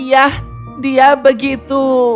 yah dia begitu